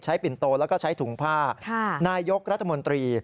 ปิ่นโตแล้วก็ใช้ถุงผ้านายกรัฐมนตรี